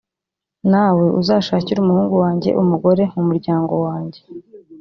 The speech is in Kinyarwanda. nawe uzashakire umuhungu wanjye umugore mu muryango wanjye